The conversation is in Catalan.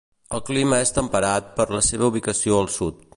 El clima és temperat per la seva ubicació al sud.